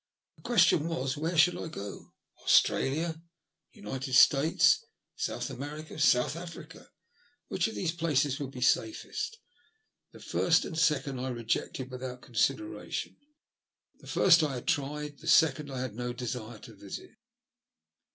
The question was : Where should I go ? Australia, the United States, South America, South Africa ? Which of these places would be safest ? The first and second I rejected without consideration. The first I had 102 THE LUST OP HATE. tried, the second I had no desire to visit.